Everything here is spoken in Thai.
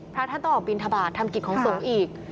พระท่านต้องออกบินทบาททำกิจของสงฆ์อีก